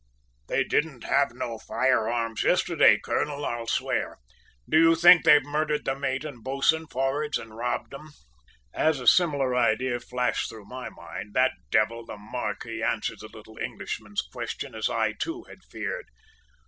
`They didn't have no firearms yesterday, colonel, I'll swear. Do you think they've murdered the mate and bo'sun forrads, and robbed 'em?' "As a similar idea flashed through my mind, that devil, the `marquis,' answered the little Englishman's question as I, too, had feared!